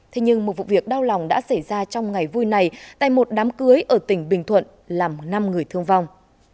thế nhưng một vụ việc đau lòng đã xảy ra trong ngày vui này tại một đám cưới ở tỉnh bình thuận làm năm người thương vong